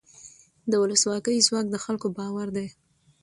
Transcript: د ولسواکۍ ځواک د خلکو باور دی